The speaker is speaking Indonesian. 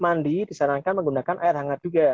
mandi disarankan menggunakan air hangat juga